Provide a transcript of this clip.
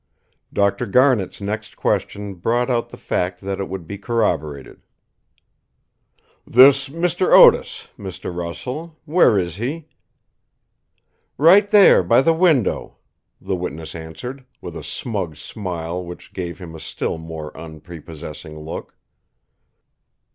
Dr. Garnet's next question brought out the fact that it would be corroborated. "This Mr. Otis, Mr. Russell; where is he?" "Right there, by the window," the witness answered, with a smug smile which gave him a still more unprepossessing look.